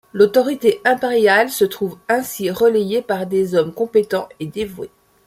L'autorité impériale se trouve ainsi relayée par des hommes compétents et dévoués.